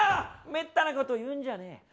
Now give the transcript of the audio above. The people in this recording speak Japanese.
めったなこと言うんじゃねえ。